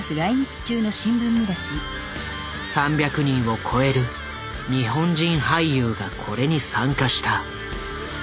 ３００人を超える日本人俳優がこれに参加した。